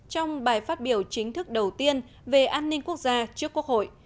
trong bài phát biểu chính thức đầu tiên về an ninh quốc gia trước quốc hội